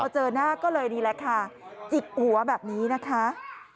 เจอหน้าก็เลยนี่แหละค่ะจิกหัวแบบนี้นะคะ